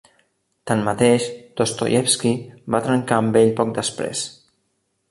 Tanmateix, Dostoievski va trencar amb ell poc després.